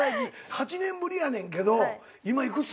８年ぶりやねんけど今幾つ？